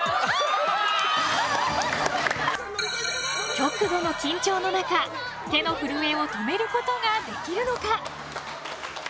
極度の緊張の中、手の震えを止めることができるのか？